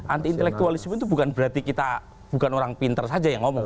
anti intelektualisme itu bukan berarti kita bukan orang pintar saja yang ngomong